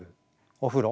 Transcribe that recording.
お風呂？